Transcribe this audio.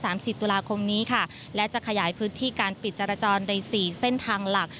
สิบตุลาคมนี้ค่ะและจะขยายพื้นที่การปิดจรจรในสี่เส้นทางหลัก